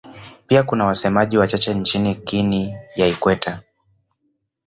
Pia kuna wasemaji wachache nchini Guinea ya Ikweta.